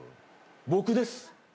僕です